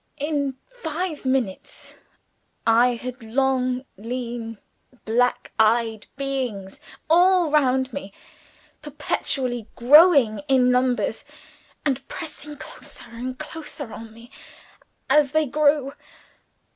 In five minutes I had long, lean, black eyed beings all round me; perpetually growing in numbers, and pressing closer and closer on me as they grew.